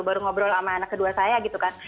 baru ngobrol sama anak kedua saya gitu kan